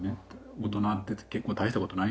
「大人って結構大したことないんだよ。